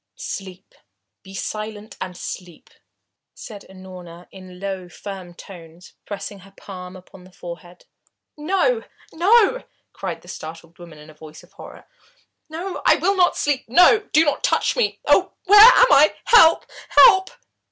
"Sleep be silent and sleep!" said Unorna in low, firm tones, pressing her palm upon the forehead. "No no!" cried the startled woman in a voice of horror. "No I will not sleep no, do not touch me! Oh, where am I help! Help!"